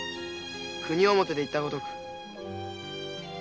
国表で言ったごとく。